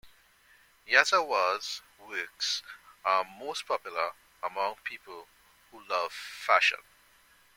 Yazawa's works are most popular among people who love fashion.